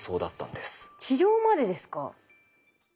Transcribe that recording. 治療までですか？